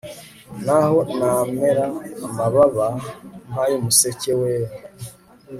n'aho namera amababa nk'ay'umuseke weya